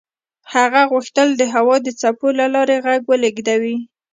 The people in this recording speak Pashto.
هغه غوښتل د هوا د څپو له لارې غږ ولېږدوي.